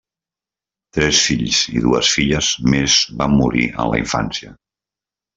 Tres fills i dues filles més van morir en la infància.